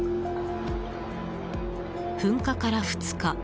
噴火から２日。